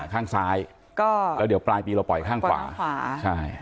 ข้างซ้ายแล้วเดี๋ยวปลายปีเราปล่อยข้างขวา